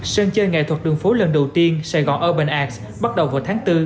sân chơi nghệ thuật đường phố lần đầu tiên sài gòn urban arts bắt đầu vào tháng bốn